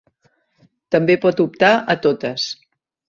També pot optar a totes.